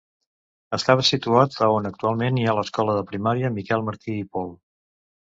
Estava situat a on actualment hi ha l'escola de primària Miquel Martí i Pol.